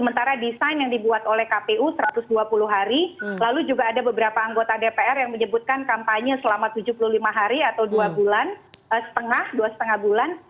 sementara desain yang dibuat oleh kpu satu ratus dua puluh hari lalu juga ada beberapa anggota dpr yang menyebutkan kampanye selama tujuh puluh lima hari atau dua bulan setengah dua lima bulan